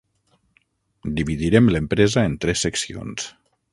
Dividirem l'empresa en tres seccions.